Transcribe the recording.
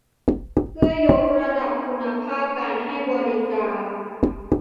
เพื่อยกระดับคุณภาพการให้บริการ